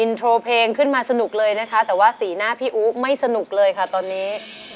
โทรเพลงขึ้นมาสนุกเลยนะคะแต่ว่าสีหน้าพี่อู๋ไม่สนุกเลยค่ะตอนนี้